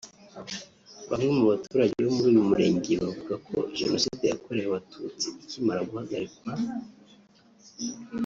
Bamwe mu baturage bo muri uyu murenge bavuga ko Jenoside yakorewe Abatutsi ikimara guhagarikwa